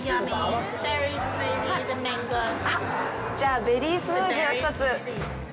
じゃあ、ベリースムージーを１つ。